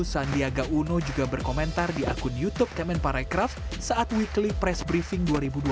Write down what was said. sandiaga uno juga berkomentar di akun youtube kemen parekraf saat weekly press briefing dua ribu dua puluh